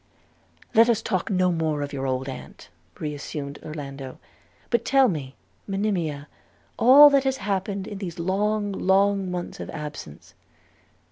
'Let us talk no more of your old aunt,' re assumed Orlando; 'but tell me, Monimia, all that has happened in these long, long months of absence.'